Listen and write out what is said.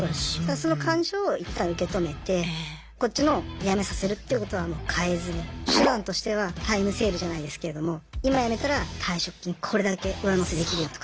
その感情を一旦受け止めてこっちの辞めさせるっていうことはもう変えずに手段としてはタイムセールじゃないですけれども今辞めたら退職金これだけ上乗せできるよとか。